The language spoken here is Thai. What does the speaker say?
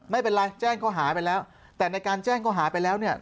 ไม่เป็นไรแจ้งข้อหาไปแล้วแต่ในการแจ้งข้อหาไปแล้วเนี่ย